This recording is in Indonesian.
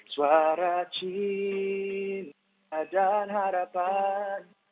suara cinta dan harapan